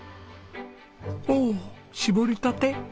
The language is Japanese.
おお搾りたて！